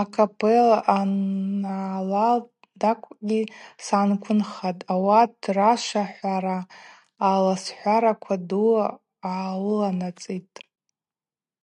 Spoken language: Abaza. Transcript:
Акапелла ангӏалал тӏакӏвгьи съанквынхатӏ – ауат рашвахӏвара алагӏваласра ду гӏауыланацӏитӏ.